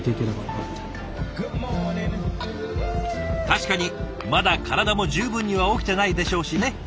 確かにまだ体も十分には起きてないでしょうしね。